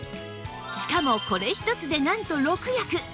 しかもこれ一つでなんと６役！